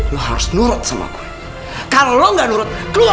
lo harus nurut sama gue kalau lo gak nurut keluar